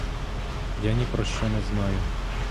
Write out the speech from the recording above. Я ні про що не знаю.